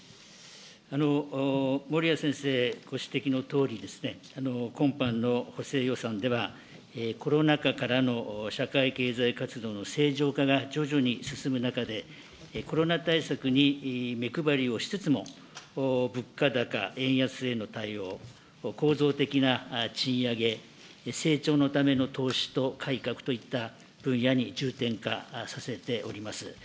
森屋先生ご指摘のとおりですね、今般の補正予算では、コロナ禍からの社会経済活動の正常化が徐々に進む中で、コロナ対策に目配りをしつつも、物価高、円安への対応、構造的な賃上げ、成長のための投資と改革といった分野に重点化させております。